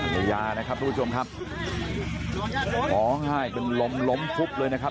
ในยานะครับคุณผู้ชมครับห้องท่องห้ายเป็นลมล้มพุบเลยนะครับ